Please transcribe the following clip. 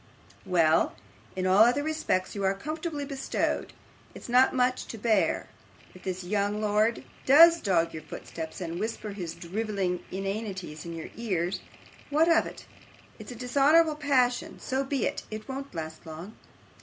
Well. In all other respects you are comfortably bestowed. It's not much to bear. If this young lord does dog your footsteps, and whisper his drivelling inanities in your ears, what of it? It's a dishonourable passion. So be it; it won't last long.